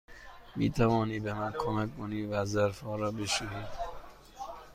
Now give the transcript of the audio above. می توانی به من کمک کنی و ظرف ها را بشویی؟